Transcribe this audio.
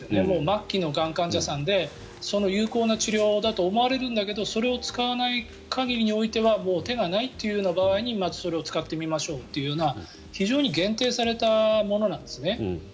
もう末期のがん患者さんで有効な治療法だと思われるんだけどそれを使わない限りにおいてはもう手がないという場合にまずそれを使ってみましょうというような非常に限定されたものなんですね。